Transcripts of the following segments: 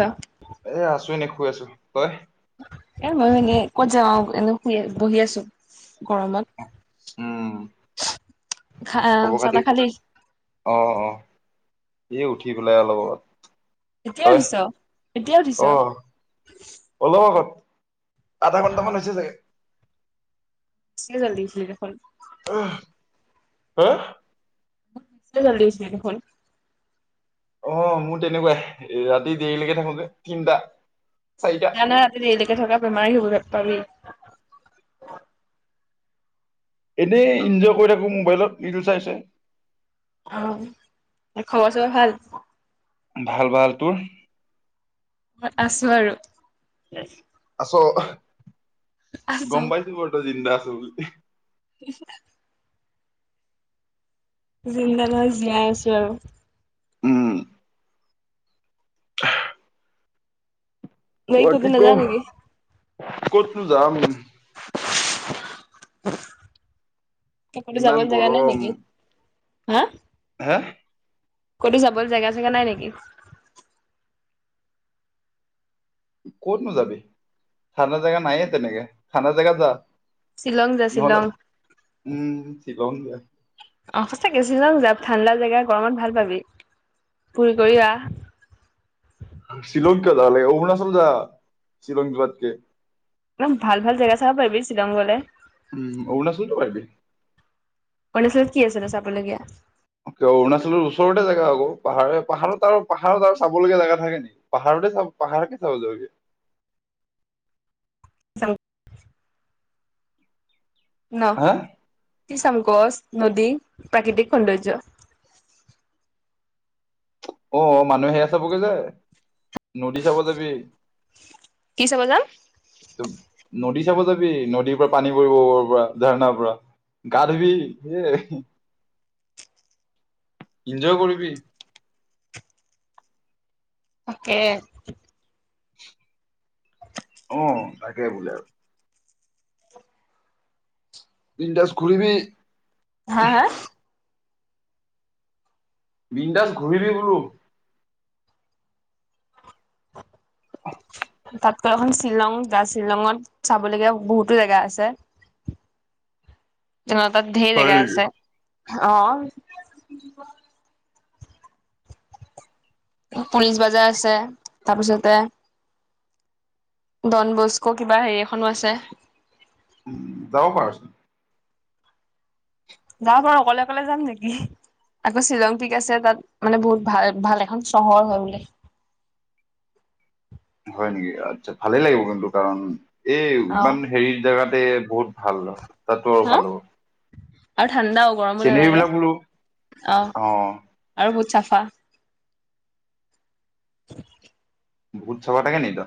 এ এ আছো এনে শুই আছো, তই? এ মই মানে ক'ত যাওঁ এনে শুই বহি আছো গৰমত। উম। খা খবৰ চাহ খাতি তাহ খালি অ অ। এ উঠি পেলাই অলপ আগত এতিয়া তই উঠিছ এতিয়া উঠিছ অ আহ অলপ আগত। আধা ঘণ্টা মান হৈছে চাগে। বেছিয়ে জল্দি উঠিলি দেখোন। আহ হা? বেছিয়ে জল্দি উঠিলি দেখোন। অ মোৰ তেনেকুৱাই ৰাতি দেৰিলৈকে থাকো যে তিনিটা। নাই নাই ৰাতি দেৰিলৈকে থকা বেমাৰী হবি পাবি [unintelligible] এনেই এনজয় কৰি থাকো মোবাইলত ভিডিঅ চাই চাই। আহ খবৰ চবৰ ভাল? ভাল ভাল। তোৰ? আছো আৰু। অ আছো গম পাইছো বাৰু জিন্দা আছ বুলি। [unintelligible] জিন্দা নাই জীয়াই আছো আৰু। উম। [unintelligible] ক'তো বাকী ক নাযাৱ নেকি ক'তনো যাম। কতো ইমান যাবলে জাগা নাই নেকি? হা হা? কতো যাবলে জেগা চেগা নাই নেকি? ক'তনো যাবি? ঠাণ্ডা জেগা নায়ে তেনেকে। ঠাণ্ডা জেগা যা শ্বিলং যা নহ'লে, শ্বিলং উম শ্বিলং যায়। অ সঁচাকে শ্বিলং ঠাণ্ডা জেগা। গৰমত ভাল পাবি। ফুৰি কৰি আহ। শ্বিলং কিয় যাব লাগে? অৰুণাচল যা, শ্বিলং যোৱাতকে। একদম ভাল ভাল জেগা চাব পাৰিবি শ্বিলং গলে। উম অৰুণাচলতো পাৰিবি। অৰুণাচলত কি আছে নো চাবলগীয়া? কিয় অৰুণাচলৰ ওচৰতে জেগা আকৌ। পাহাৰে পাহাৰত আৰু পাহাৰত আৰু চাবলগীয়া জেগা থাকে নেকি? পাহাৰত চ পাহাৰকে চাব যাবি। চাও। ন? হা কি চাম গছ, নদী, প্ৰাকৃতিক সৌন্দৰ্য? অ মানুহ সে চাবগৈ যায়। নদী চাব যাবি। কি চাব যাম? তো নদী চাব যাবি। নদীৰ পৰা পানী পৰিব ওপৰৰ পৰা, ঝাৰণাৰ পৰা। গা ধুবি সে এনজয় কৰিবি। অকে। অ তাকে বুজ আৰু। বিনদাছ ঘূৰিবি। হা হা? বিণ্ডাজ ঘূৰিবি বোলো। [inaudible] তাতকৈ এখন শ্বিলং যা। শ্বিলঙত চাবলগীয়া বহুতো জেগা আছে। [inaudible] তেনে তাত ঢেৰ হয় জেগা নেকি? আছে, অঅ। পুলিচ বাজাৰ আছে। তাৰপিছতে ডন বস্কো কিবা হেৰি এখনো আছে। উ যাব পাৰছোন। যাব পাৰো। অকলে অকলে যাম নেকি? আকৌ শ্বিলং পিক আছে, তাত মানে বহুত ভাল ভাল এখন চহৰ হয় বোলে। হয় নেকি? আচ্ছা ভালে লাগিব কিন্তু কাৰণ এই অ ইমান হেৰি জোগাতে বহুত ভাল ত তোৰ হা ভাল হ'ব। আৰু ঠাণ্ডাও, গৰমো চিনেৰী নালাগে। বিলাক বোলো অ, অ আৰু বহুত চাফা। [inaudible] ভূত চভা তাকে নিতো।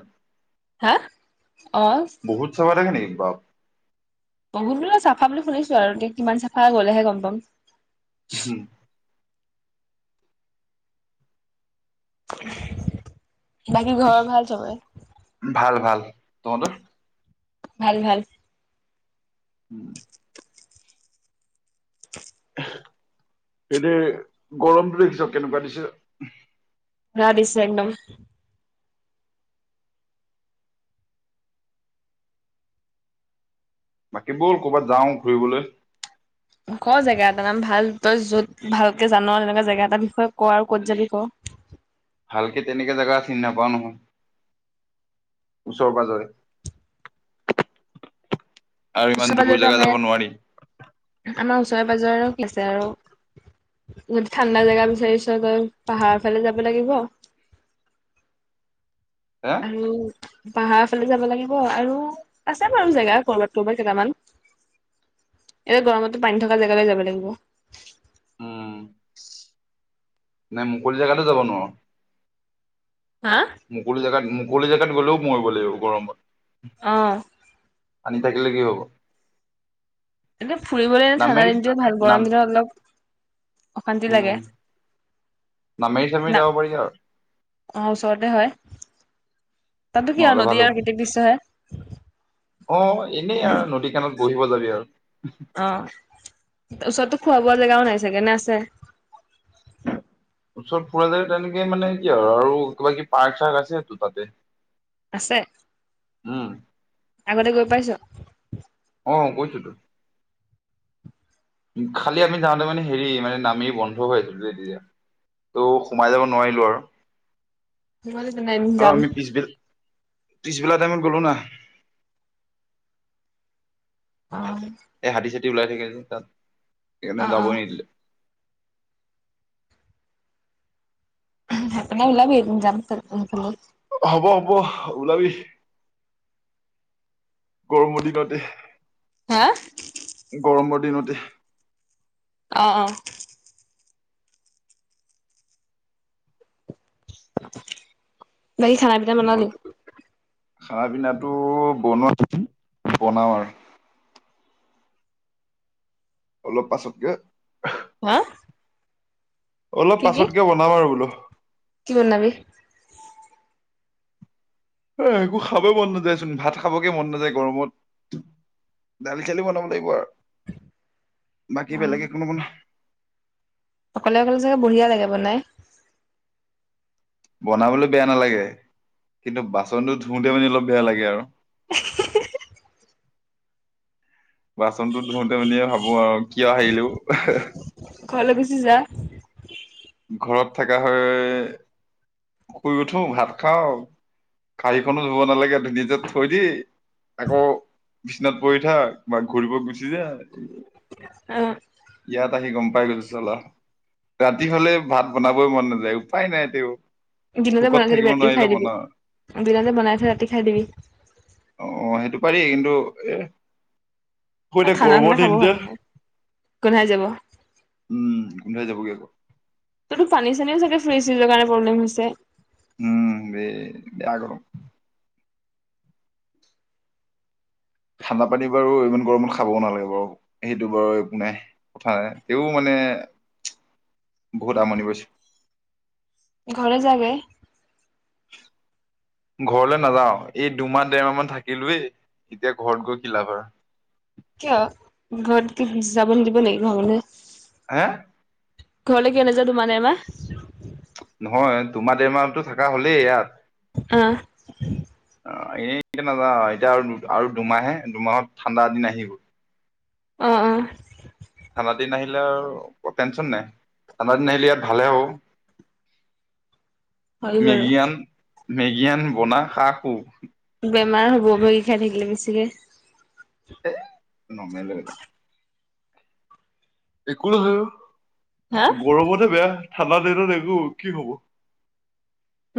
হা? অ', বহুত চাফা থাকে নেকি? বাপ বহুত বোলো চাফা বুলি শুনিছো আৰু। এতিয়া কিমান চাফা গলেহে গম পাম। হুম। বাকী ঘৰৰ ভাল চবএ? ভাল ভাল তহঁতৰ? ভাল, ভাল। উম। এনেই গৰমটো দেখিছ কেনেকুৱা দিছে। ৰা দিছে একদম। বাকী ব'ল ক'ৰবাত যাওঁ ঘূৰিবলে। ক জেগা এটা নাম। ভাল তই য'ত ভালকে জান'। এনেকুৱা জেগা এটাৰ বিষয়ে ক আৰু ক'ত যাবি ক। ভালকে তেনেকে জেগা চিনি নাপাওঁ নহয়। ওচৰে পজৰে। আৰু ওচৰে ইমান দূৰ পাজৰেতো জেগা আমাৰ যাব ইয়াত নোৱাৰি। আমাৰ ওচৰে পাজৰে আছে আৰু। যদি ঠাণ্ডা জোগা বিচাৰিছ গৈ পাহাৰৰ ফালে যাব লাগিব। [unintelligible] আৰু। পাহাৰ ফালে যাব লাগিব আৰু, আছে বাৰু জেগা কৰবাত কৰ'বাত কেইটামান। এতিয়া গৰমতো পানী থকা জেগালৈ যাব লাগিব। উম নাই মুকলি জেগাতে যাব নোৱাৰো। হা মুকলি জেগাত মুকলি জেগাত গ'লেও মৰিব লাগিব গৰমত। আহঁ। আনি থাকিলে কি হ'ব। এয়া ফুৰিবলৈ এ ঠাণ্ডা নামেৰি দিনটো ভাল নাম গৰম দিনত অলপ। অশান্তি লাগে উম, নামেৰি চামৰি না যাব পাৰি আৰু। অ ওচৰতে হয় তাতো কি আৰু নহ'লে নদী ভাল আৰু হক প্ৰাকৃতিক দৃশ্য হে অ এনেই আৰু নদী কানত বহিব যাবি আৰু অ ওচৰতো খোৱা বোৱা জেগাও নাই চাগেনে আছে। ওচৰত ফুৰা যায় তেনেকে মানে কি আৰু আৰু কিবা কিব পাৰ্ক চাৰ্ক আছে সো তাতে। আছে উম আগতে গৈ পাইছো। অ কৈছো তো। উ খালি আমি যাওঁতে মানে হেৰি মানে নামি বন্ধ হৈ তেতিয়া। ত' সোমাই যাব নোৱাৰিলো আৰু। ম তোইম যাম ত্ৰিছবেলা টাইমত গলো না। অ এই হাতী চাতি ওলাই থাকি আছে তাত সেইকাৰণে অ অ যাবই নিদিলে। হে পিনে ওলাবি এদিন যাম। হ'ব হ'ব ওলাবি গৰমৰ দিনতে। হা গৰমৰ দিনতে। অ অ বাকী খানা পিনা বনালি। নহ'লে খানা পিনাটো বনোৱা বনাও আৰু। অলপ পাছতকে। হা অলপ কি কি পাছতকে বনাম আৰু বোলো। কি বনাবি। একো খাবেই মন নাযায় চোন ভাত খাবকে মন নাযায় গৰমত। দাল চালি বনাব লাগিব আৰু বাকী অ বেলেগে কোনোবনা অকলে অকলে চাগে বঢ়িয়া লাগে বনাই বনাবলৈ বেয়া নালাগে কিন্তু বাচনটো ধুওতে মানি অলপ বেয়া লাগে আৰু [inaudible] বাচনটো ধুওতে মানি ভাবো আৰু কিয় আহিলো ঘৰলে গুছি যা। ঘৰত থকা হৈ শুই উঠো ভাত খাওঁ কা়হীখনো ধুব নালাগে ধুনীয়াক থৈ দি আকৌ বিচনাত পৰি উঠা বা ঘূৰিব গুচি যায়। অ ইয়াত আহি গম পাই গৈছো চল ৰাতি হলে ভাত বনাবই মন নাযায় উপায় নাই তে। দিনতে বনাই থাকিবি ৰাতি খাই দিবি দিনতে বনাই থিব ৰাতি খাই দিবি। অ সেইটো পাৰি কিন্তু এ আকৌ এ এতিয়া ঠাণ্ডা গৰমৰ খানা খাব দিন যে ভাল নাই গোন্ধাই যাব উম গোন্ধাই যাবগৈ আকৌ তো পানী চানীও চাগে ফ্ৰিজ ফ্ৰিজৰ কাৰণে প্ৰব্লেম হৈছে উম বে বেয়া গৰম ঠাণ্ডা পানী বাৰু ইমান গৰমত খাবও নালাগে বাৰু সেইটো বাৰু একো নাই কথা নাই তেও মানে বহুত আমনি কৰিছে ঘলে যাগে ঘৰলে নাযাও এই দুমাহ দেৰমাহ মান থাকিলোয়ে এতিয়া ঘৰত গৈ কি লাভ কিয় ঘৰত কি যাব নিদিব নি ঘৰৰ মানুহে হে ঘৰলৈ কিয় নাযাৱ মানে তো বা নহয় দুমাহ দেৰ মাহটো থকা হলেই ইয়াত আহ এই এতিয়া নাজাও আৰু দু আৰু দুমাহে দুমাহত ঠাণ্ডা দিন আহিব অহ অহ ঠাণ্ডা দিন আহিলে আৰু টেনচন নাই ঠাণ্ডা দিন আহিলে ইয়াত ভালে হ'ব হয় বাৰু মেগী আন মেগী আন বনা খা শু বেমাৰ হ'ব মেগী খাই থাকিলে বেছিকে সেই নৰমেল একো নহয় হা গৰমতহে বেয়া ঠাণ্ডা দিনত একো কি হ'ব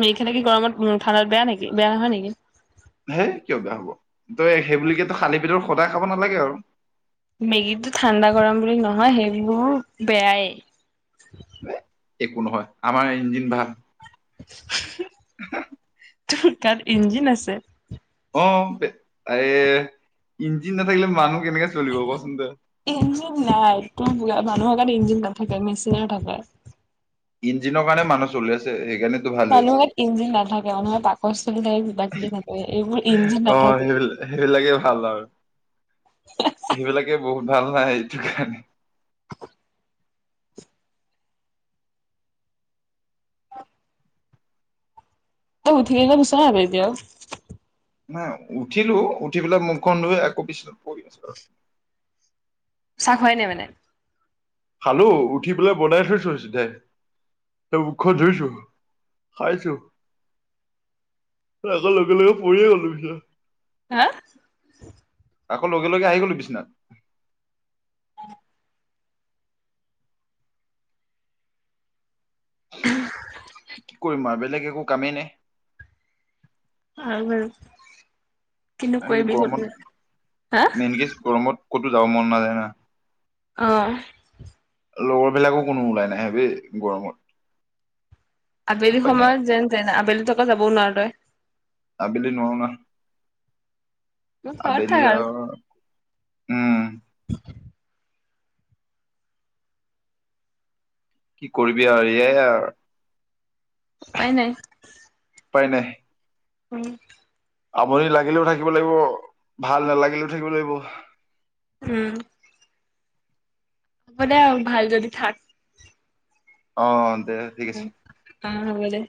মেগী খালে কি গৰমত ঠাণ্ডাত বেয়া নেকি বেয়া নহয় নেকি হেই কিয় বেয়া হব তই সেই বোলি খালি পেটত সদায় খাব নালাগে আক মেগীতো ঠাণ্ডা গৰম বুলি নহয় সেইবোৰ বেয়াই একো নহয় আমাৰ ইঞ্জিন ভাল তোৰ তাত ইঞ্জিন আছে অ এ ইঞ্জিন নাথাকিলে মানুহ কেনেকে চলিব কচোন তই ইঞ্জিন নাই তুমি বোলা মানুহক তাত ইঞ্জিন নাথাকে মেচিন থাকে ইঞ্জিনৰ কাৰণে মানুহ চলি আছে সেইকাৰণেতো ভাল হৈ আছে মানুহৰ ইঞ্জিন নাথাকে মানুহৰ পাকস্থলি থাকে কিবা কিবি থাকে এইবোৰ ইঞ্জিন অ নাথাকে সেইবিল সেইবিলাকে ভাল আৰু সেইবিলাকে বহুত ভাল নাই এইটো কাৰণে তই উঠিলি নে বিছনাত এতিয়াও নাই উঠিলো উঠি পেলাই মুখখন ধুই আকৌ বিছনাত পৰি আছো আৰু চাহ খোৱাই নাই মানে খালো উঠি পেলাই বনাই থৈছো চিধা তো মুখখন ধুইছো খাইছো এ লগে লগে পৰিয়ে ললোহি আও হা আকৌ লগে লগে আহি গলো বিছনাত কি কৰিম আৰু বেলেগ একো কামেই নাই আৰু কিনো এই কৰিবি গৰমত হা এনেকে ক'তো যাব মন নাযায় না অহ লগৰবিলাকো কোনো ওলাই নাই বে গৰমত আবেলি উপায় নাই সময়ত যেন তেন আবেলিত আকৌ যাবও নোৱাৰ তই আবেলি ঘৰত থাক আবেলিয়ে আৰু আও উম কি কৰিবি আৰু এয়াই আৰু উপায় নাই উপায় নাই। উম। আমনি লাগিলেও থাকিব লাগিব, ভাল নালাগিলেও থাকিব লাগিব। উম। হ'ব দে ভাল যদি থাক। অ দে ঠিক আছে। উম হব দে।